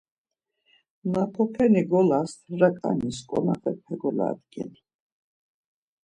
Nopapeni golas raǩaniş konağepe goladgin.